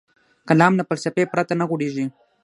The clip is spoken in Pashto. کلام له فلسفې پرته نه غوړېږي.